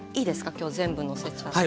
今日全部のせちゃって。